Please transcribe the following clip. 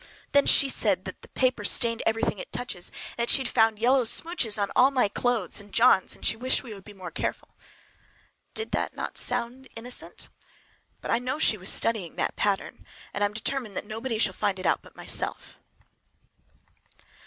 Then she said that the paper stained everything it touched, that she had found yellow smooches on all my clothes and John's, and she wished we would be more careful! Did not that sound innocent? But I know she was studying that pattern, and I am determined that nobody shall find it out but myself!